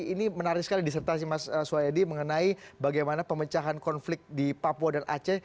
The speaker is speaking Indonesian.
ini menarik sekali disertasi mas soedi mengenai bagaimana pemecahan konflik di papua dan aceh